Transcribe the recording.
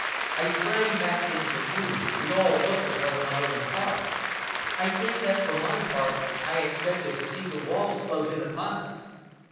I sprang back into the room, we all looked at one another in horror. I think that for my part I expected to see the walls close in upon us.